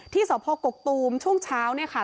ที่สพกกตูมช่วงเช้าเนี่ยค่ะ